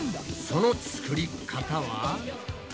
その作り方は？